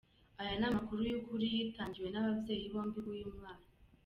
Aya ni amakuru y’ukuri yitangiwe n’ababyeyi bombi b’uyu mwana.